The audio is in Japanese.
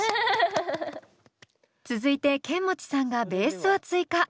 続いてケンモチさんがベースを追加。